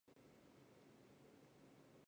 对照语言学的特征。